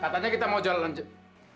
katanya kita mau jual lanjut